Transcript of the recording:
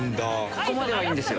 ここまではいいんですよ